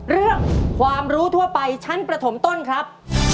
เรื่องความรู้ทั่วไปชั้นประถมต้นครับ